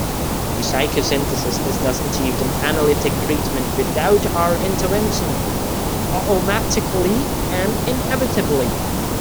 The psycho-synthesis is thus achieved in analytic treatment without our intervention, automatically and inevitably.